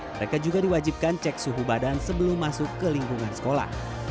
mereka juga diwajibkan cek suhu badan sebelum masuk ke lingkungan sekolah